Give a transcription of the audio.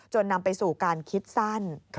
นำไปสู่การคิดสั้น